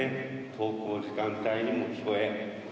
登校時間帯にも聞こえ。